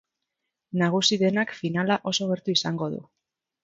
Nagusi denak finala oso gertu izango du.